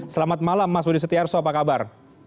selamat malam mas budi setiarso apa kabar